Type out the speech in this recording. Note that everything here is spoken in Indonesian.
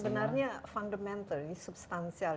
sebenarnya fundamental ini substansial